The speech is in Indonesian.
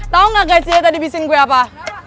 tau gak guys tadi bisin gue apa